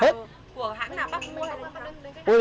loại nào của hãng nào bác mua hay bác đưa đến cái nhà